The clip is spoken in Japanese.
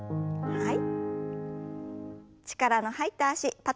はい。